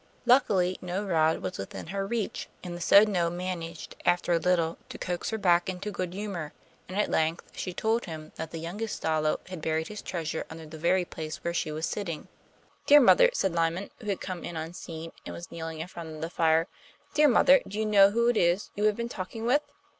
Luckily, no rod was within her reach, and the Sodno managed, after a little, to coax her back into good humour, and at length she told him that the youngest Stalo had buried his treasure under the very place where she was sitting. 'Dear mother,' said Lyman, who had come in unseen, and was kneeling in front of the fire. 'Dear mother, do you know who it is you have been talking with?